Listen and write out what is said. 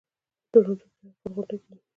په تورنټو کې هر کال غونډه کیږي.